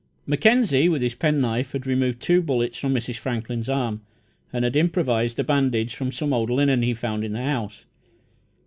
Mackenzie, with his penknife, had removed two bullets from Mrs. Franklin's arm, and had improvised a bandage from some old linen he found in the house.